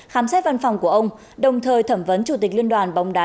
khám xét văn phòng của ông đồng thời thẩm vấn chủ tịch liên đoàn bóng đá